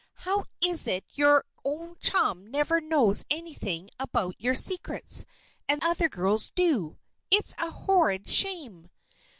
"How is it your own chum never knows anything about your secrets, and other girls do? It's a horrid shame!"